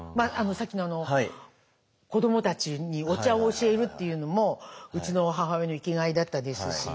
さっきの子どもたちにお茶を教えるっていうのもうちの母親の生きがいだったですし。